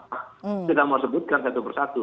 saya tidak mau sebutkan satu persatu